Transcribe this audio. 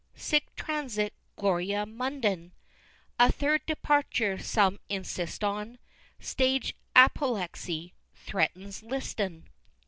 "sic transit gloria Munden!" A third departure some insist on, Stage apoplexy threatens Liston!